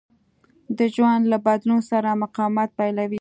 د ژوند له بدلون سره مقاومت پيلوي.